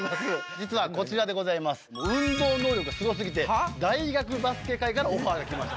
実はこちらでございます運動能力がスゴ過ぎて大学バスケ界からオファーが来ました。